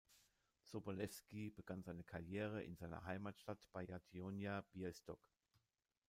Sobolewski begann seine Karriere in seiner Heimatstadt bei Jagiellonia Białystok.